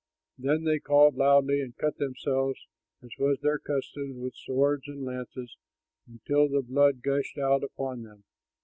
Then they called loudly and cut themselves, as was their custom, with swords and lances until the blood gushed out upon them.